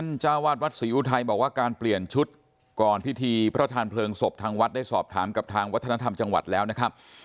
เจ้าวาดวัดศรีอุทัยบอกว่าการเปลี่ยนชุดก่อนพิธีพระทานเพลิงศพทางวัดได้สอบถามกับทางวัฒนธรรมจังหวัดแล้วนะครับ